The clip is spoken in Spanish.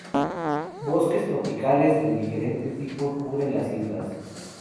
Bosques tropicales de diferente tipo cubren las islas.